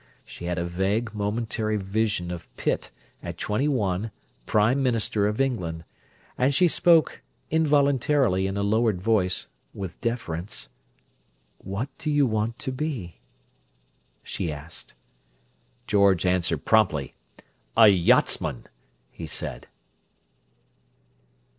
She had a vague, momentary vision of Pitt, at twenty one, prime minister of England; and she spoke, involuntarily in a lowered voice, with deference: "What do you want to be?" she asked. George answered promptly. "A yachtsman," he said.